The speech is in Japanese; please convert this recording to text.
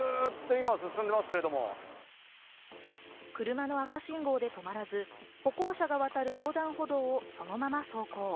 車の赤信号で止まらず、歩行者が渡る横断歩道をそのまま走行。